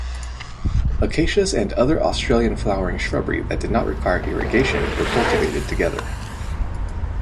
Acacias and other Australian flowering shrubbery that did not require irrigation were cultivated together.